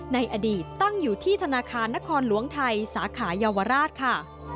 ในอดีตตั้งอยู่ที่ธนาคารนครหลวงไทยสาขายาวราชค่ะ